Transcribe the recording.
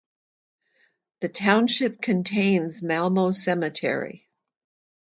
The township contains Malmo Cemetery.